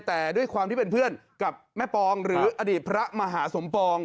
แต่ด้วยความที่เป็นเพื่อนกับแม่ปองหรืออดีตพระมหาสมปอง